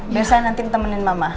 biasanya nanti temenin mama